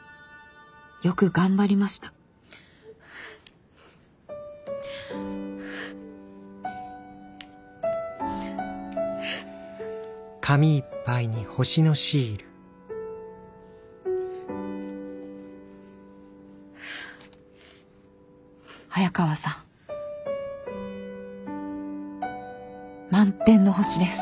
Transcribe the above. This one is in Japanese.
よく頑張りました早川さん満天の星です！